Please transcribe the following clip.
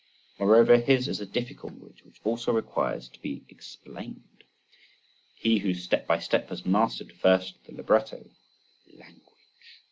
Moreover his is a difficult language which also requires to be explained. He who step by step has mastered, first the libretto (language!)